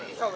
iya pak be